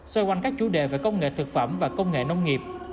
xoay quanh các chủ đề về công nghệ thực phẩm và công nghệ nông nghiệp